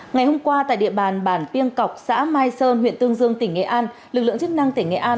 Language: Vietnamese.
ngày hôm qua tại địa bàn bản piêng cọc xã mai sơn huyện tương dương tỉnh nghệ an lực lượng chức năng tỉnh nghệ an